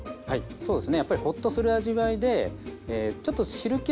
そうですね。